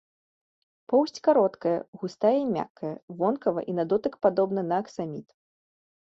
Поўсць кароткая, густая і мяккая, вонкава і на дотык падобна на аксаміт.